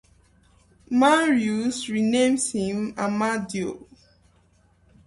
Marius renames him Amadeo.